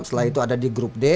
setelah itu ada di grup d